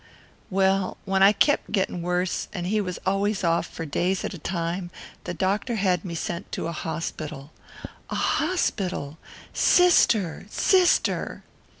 "Well, when I kep' getting worse, and he was always off, for days at a time, the doctor had me sent to a hospital." "A hospital? Sister sister!"